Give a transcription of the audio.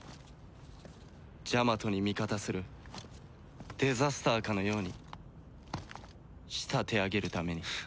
ジャマトに味方するデザスターかのように仕立て上げるために。